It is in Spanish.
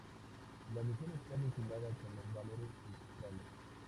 La misión está vinculada con los "valores centrales".